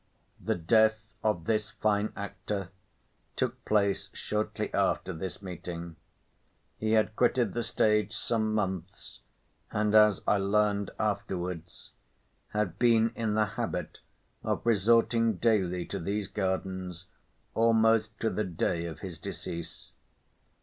The death of this fine actor took place shortly after this meeting. He had quitted the stage some months; and, as I learned afterwards, had been in the habit of resorting daily to these gardens almost to the day of his decease.